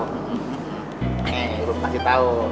eh belum pasti tau